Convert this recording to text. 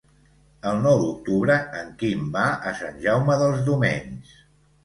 El nou d'octubre en Quim va a Sant Jaume dels Domenys.